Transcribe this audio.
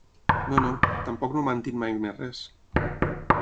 No, no, tampoc no m’han dit mai més res.